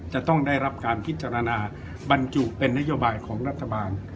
จะต้องได้รับการพิจารณาบรรจุเป็นนโยบายของรัฐบาล